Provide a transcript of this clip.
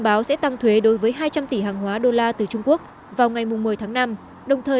báo sẽ tăng thuế đối với hai trăm linh tỷ hàng hóa đô la từ trung quốc vào ngày một mươi tháng năm đồng thời